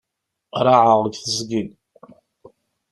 Raεeɣ deg teẓgi.